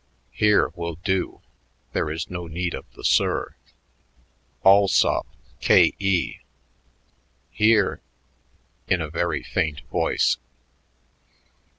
"'Here' will do; there is no need of the 'sir.' Allsop, K.E." "Here" in a very faint voice.